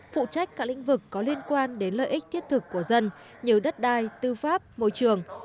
phụ trách các lĩnh vực có liên quan đến lợi ích thiết thực của dân như đất đai tư pháp môi trường